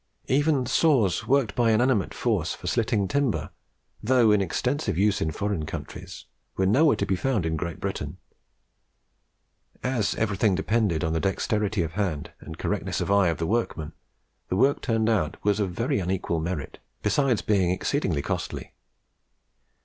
Even saws worked by inanimate force for slitting timber, though in extensive use in foreign countries, were nowhere to be found in Great Britain. As everything depended on the dexterity of hand and correctness of eye of the workmen, the work turned out was of very unequal merit, besides being exceedingly costly.